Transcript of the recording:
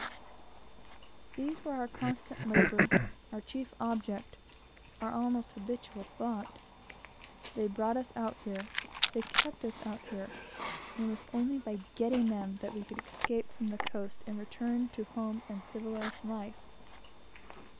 These were our constant labor, our chief object, our almost habitual thought. They brought us out here, they kept us here, and it was only by getting them that we could escape from the coast and return to home and civilized life.